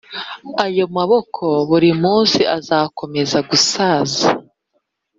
aya maboko buri munsi azakomeza gusaza.